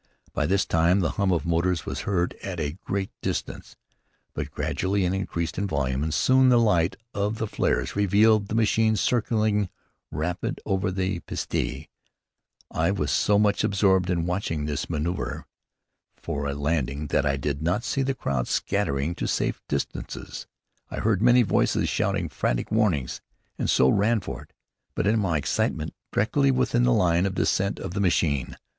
By this time the hum of motors was heard at a great distance, but gradually it increased in volume and soon the light of the flares revealed the machine circling rapidly over the piste. I was so much absorbed in watching it manoeuvre for a landing that I did not see the crowd scattering to safe distances. I heard many voices shouting frantic warnings, and so ran for it, but, in my excitement, directly within the line of descent of the machine.